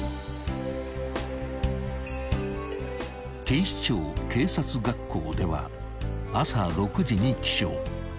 ［警視庁警察学校では朝６時に起床］